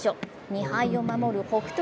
２敗を守る北勝